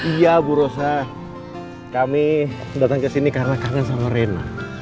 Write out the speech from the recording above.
iya bu rosa kami datang kesini karena kangen sama rina